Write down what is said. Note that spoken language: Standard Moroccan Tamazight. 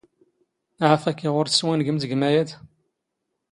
ⵄⴰⴼⴰⴽ ⵉⵖ ⵓⵔ ⵜⵙⵡⵉⵏⴳⵎⵜ ⴳ ⵎⴰⵢⴰⴷ.